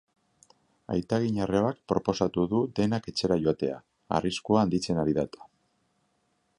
Aitaginarrebak proposatu du denak etxera joatea, arriskua handitzen ari da eta.